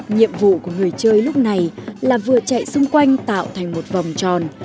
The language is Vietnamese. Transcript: nhiệm vụ của người chơi lúc này là vừa chạy xung quanh tạo thành một vòng tròn